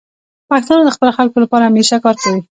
پښتانه د خپلو خلکو لپاره همیشه کار کوي.